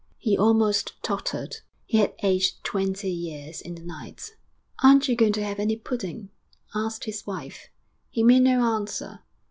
He almost tottered; he had aged twenty years in the night. 'Aren't you going to have any pudding?' asked his wife. He made no answer.